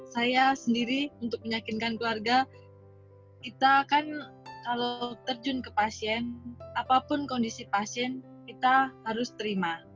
saya sendiri untuk menyakinkan keluarga kita kan kalau terjun ke pasien apapun kondisi pasien kita harus terima